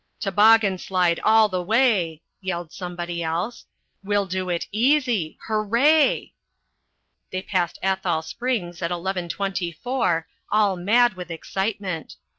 "Toboggan slide all the way," yelled somebody else. "We'll do it easy. Hooray!" They passed Athol Springs at eleven twenty four, all mad with excitement.